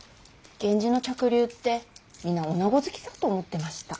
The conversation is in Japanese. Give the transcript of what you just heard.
源氏の嫡流って皆女子好きだと思ってました。